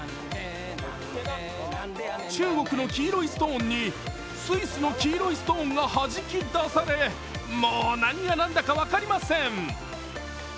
中国の黄色いストーンにスイスの黄色いストーンが弾き出され、もう何がなんだか分かりません。